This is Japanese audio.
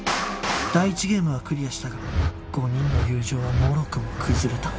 第１ゲームはクリアしたが５人の友情はもろくも崩れた